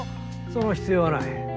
その必要はない。